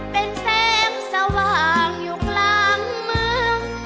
เป็นแสงสว่างอยู่กลางเมือง